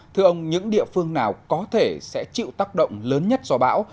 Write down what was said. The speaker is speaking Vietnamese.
thưa ông những địa phương nào có thể sẽ chịu tác động lớn nhất do bão